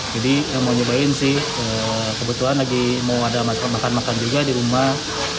jadi mau nyobain sih kebetulan lagi mau ada masakan masakan juga di rumah